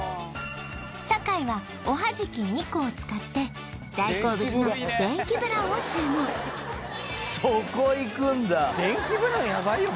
酒井はおはじき２個を使って大好物の電気ブランを注文そこいくんだ電気ブランやばいよ